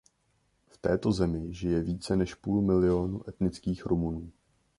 V této zemi žije více než půl miliónu etnických Rumunů.